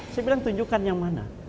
saya bilang tunjukkan yang mana